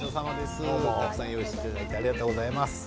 たくさん用意していただいてありがとうございます。